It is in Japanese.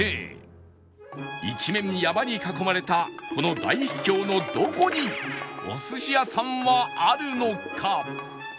一面山に囲まれたこの大秘境のどこにお寿司屋さんはあるのか？